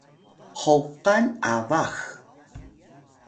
hoqan abax